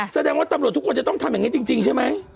แสดงว่าตำรวจทุกคนจะต้องทำอย่างนี้จริงใช่ไหม